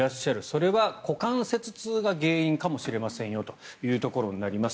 それは股関節痛が原因かもしれませんよというところになります。